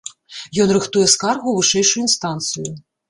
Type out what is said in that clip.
Ён рыхтуе скаргу ў вышэйшую інстанцыю.